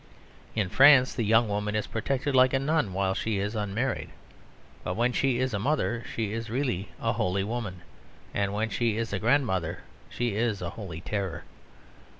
In France the young woman is protected like a nun while she is unmarried; but when she is a mother she is really a holy woman; and when she is a grandmother she is a holy terror.